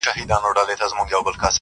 بهرني نظرونه موضوع زياتوي نور,